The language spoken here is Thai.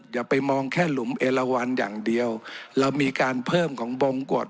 อย่าไปมองแค่หลุมเอลวันอย่างเดียวเรามีการเพิ่มของบงกฎ